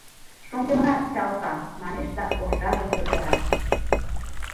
— Шоҥгемынат, Чалка, — манеш да оржажым тӧрлата.